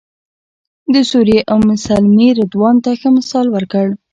د سوریې ام سلمې رضوان ته ښه مثال ورکړ.